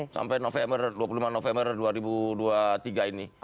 sampai november dua puluh lima november dua ribu dua puluh tiga ini